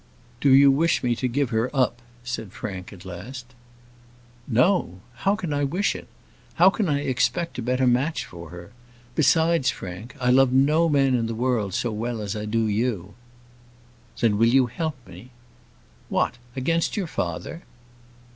"Do you wish me to give her up?" said Frank, at last. "No. How can I wish it? How can I expect a better match for her? Besides, Frank, I love no man in the world so well as I do you." "Then you will help me?" "What! against your father?"